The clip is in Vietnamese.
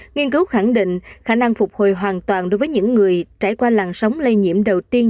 nghiên cứu khẳng định khả năng phục hồi hoàn toàn đối với những người trải qua làn sóng lây nhiễm đầu tiên